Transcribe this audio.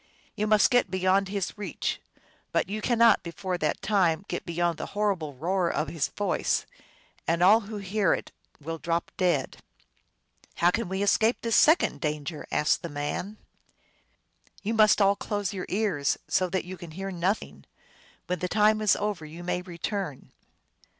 You may get beyond his reach, but you cannot before that time get beyond the horrible roar of his voice. And all who hear it will drop dead." " How can we escape this second danger ?" asked the man. " You must all close your ears, so that you can hear nothing. When the time is over you may return."